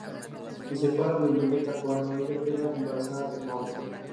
Al comienzo de su vida empresarial patrocinaba programas y concursos radiofónicos.